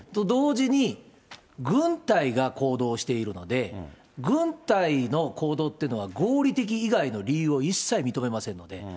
同時に、軍隊が行動しているので、軍隊の行動っていうのは、合理的以外の理由を一切認めませんので。